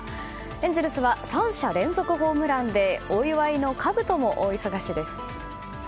エンゼルスは３者連続ホームランでお祝いのかぶとも大忙しです。